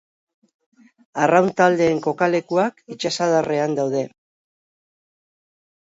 Arraun taldeen kokalekuak itsasadarrean daude.